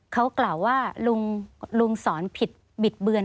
เขากล่าวว่าลุงสอนผิดบิดเบือน